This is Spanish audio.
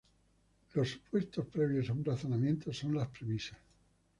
Los supuestos previos a un razonamiento son las premisas.